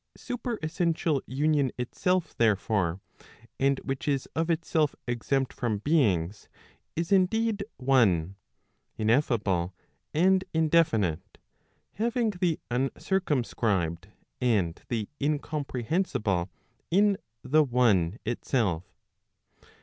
Superessential union itself therefore, and which is of itself exempt from beings, is indeed one, ineffable, and indefinite, having the uhcircumscribed, and the incompre¬ hensible in the one itself.